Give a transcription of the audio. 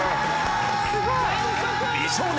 ・「美少年」